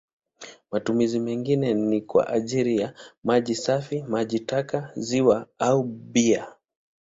Matumizi mengine ni kwa ajili ya maji safi, maji taka, maziwa au bia.